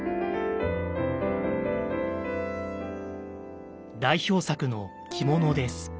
代表作の着物です。